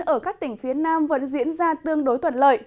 ở các tỉnh phía nam vẫn diễn ra tương đối thuận lợi